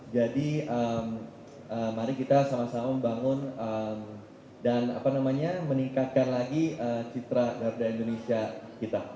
jadi mari kita sama sama membangun dan meningkatkan lagi citra garuda indonesia kita